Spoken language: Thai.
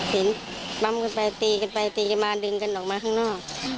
ปั๊มกันไปตีกันไปตีกันมาดึงกันออกมาข้างนอก